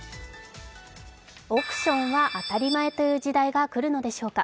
億ションが当たり前という時代が来るのでしょうか。